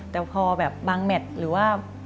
แต่พอแบบบางแมทหรือว่า